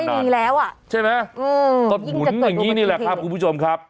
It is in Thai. ดอกยามไม่มีแล้วอ่ะใช่ไหมอืมตกหมุนอย่างงี้นี่แหละครับคุณผู้ชมครับ